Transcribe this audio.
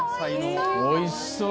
おいしそう！